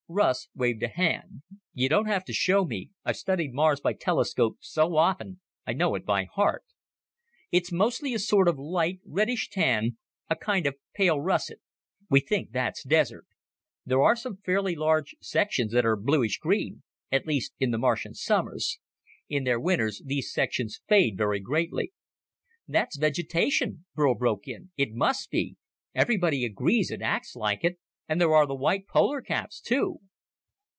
Russ waved a hand. "You don't have to show me. I've studied Mars by telescope so often I know it by heart. It's mostly a sort of light, reddish tan, a kind of pale russet. We think that's desert. There are some fairly large sections that are bluish green at least in the Martian summers. In their winters these sections fade very greatly." "That's vegetation," Burl broke in. "It must be! Everybody agrees it acts like it. And there are the white polar caps, too."